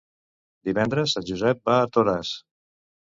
Divendres en Josep va a Toràs.